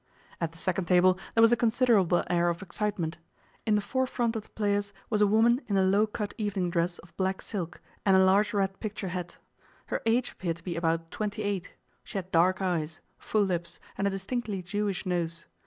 At the second table there was a considerable air of excitement. In the forefront of the players was a woman in a low cut evening dress of black silk and a large red picture hat. Her age appeared to be about twenty eight; she had dark eyes, full lips, and a distinctly Jewish nose.